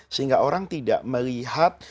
sehingga orang tidak melihat